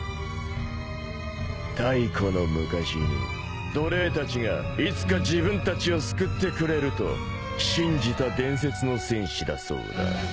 太古の昔に奴隷たちがいつか自分たちを救ってくれると信じた伝説の戦士だそうだ。